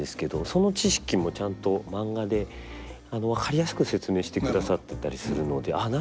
その知識もちゃんとマンガで分かりやすく説明してくださってたりするのでああ